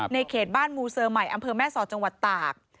เขตบ้านมูเซอร์ใหม่อำเภอแม่สอดจังหวัดตาก